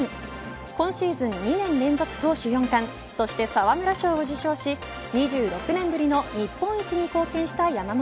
今シーズン２年連続投手４冠そして沢村賞を受賞し２６年ぶりの日本一に貢献した山本。